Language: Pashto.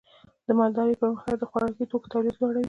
د مالدارۍ پرمختګ د خوراکي توکو تولید لوړوي.